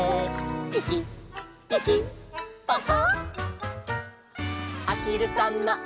「ピキピキパカ！」